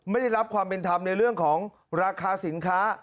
ไม่ได้รับความเป็นธรรมในเรื่องของราคาสินค้า